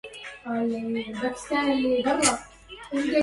والله يعلم ما أقول فإنه